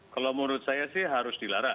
kalau menurut saya sih harus dilarang